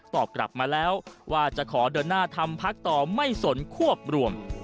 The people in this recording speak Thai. ตอบกลับมาแล้วว่าจะขอเดินหน้าทำพักต่อไม่สนควบรวม